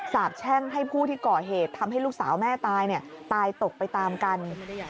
แช่งให้ผู้ที่ก่อเหตุทำให้ลูกสาวแม่ตายตายตกไปตามกัน